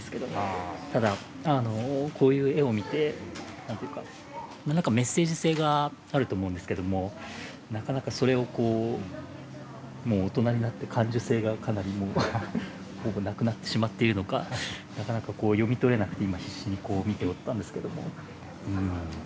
ただあのこういう絵を見て何かメッセージ性があると思うんですけどもなかなかそれをこうもう大人になって感受性がかなりもうなくなってしまっているのかなかなかこう読み取れなくて今必死にこう見ておったんですけども。